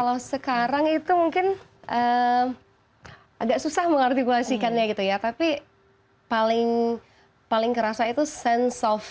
kalau sekarang itu mungkin agak susah mengartikulasikannya gitu ya tapi paling kerasa itu sense of